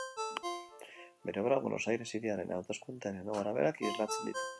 Bere obrak Buenos Aires hiriaren hazkundearen gorabeherak islatzen ditu.